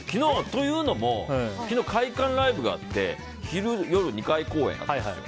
というのも昨日、会館ライブがあって昼、夜、２回公演なんですよ。